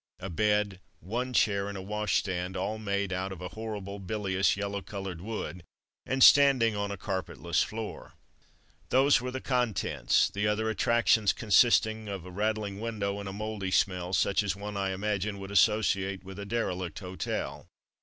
A bed, one chair, and a washstand, all made out of a horrible, bilious, yellow coloured wood, and standing on a carpetless floor. Those were the contents, the other attrac tions consisting of a rattling window and a mouldy smell such as one, I imagine, would associate with a derelict hotel.